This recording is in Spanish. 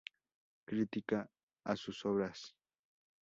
Críticas a sus obras.